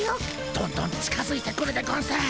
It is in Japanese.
どんどん近づいてくるでゴンス。